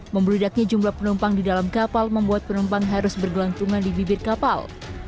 membeludaknya jumlah penumpang di dalam kapal membuat penumpang harus bergelantungan di bibir kapal